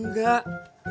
mungkin gak ke parkiran